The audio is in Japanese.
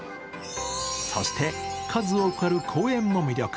そして数多くある公園も魅力。